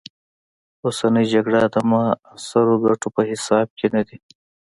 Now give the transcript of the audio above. اوسنۍ جګړې د معاصرو ګټو په حساب کې نه دي.